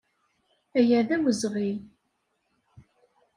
Aya d awezɣi.